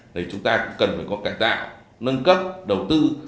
thì chúng ta cũng cần phải có cải tạo nâng cấp đầu tư